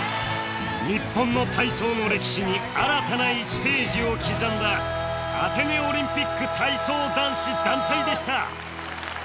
日本の体操の歴史に新たな１ページを刻んだアテネオリンピック体操男子団体でした